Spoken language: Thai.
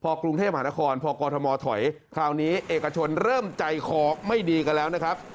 พอกรุงเทพมหานครพอกรทมถอยคราวนี้เอกชนเริ่มใจคอไม่ดีกันแล้วนะครับ